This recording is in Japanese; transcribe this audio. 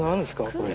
これ。